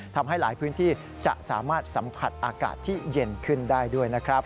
ทำให้หลายพื้นที่จะสามารถสัมผัสอากาศที่เย็นขึ้นได้ด้วยนะครับ